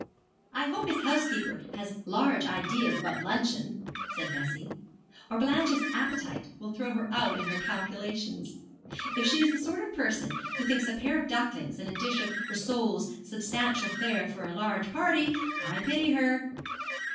'I hope his housekeeper has large ideas about luncheon,' said Bessie, 'or Blanche's appetite will throw her out in her calculations. If she is the sort of person who thinks a pair of ducklings and a dish of rissoles substantial fare for a large party, I pity her.'